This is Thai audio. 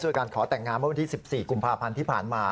การขอแต่งงานเมื่อวันที่๑๔กุมภาพันธ์ที่ผ่านมา